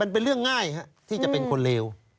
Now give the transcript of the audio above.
เป็นเรื่องง่ายที่จะเป็นคนเลว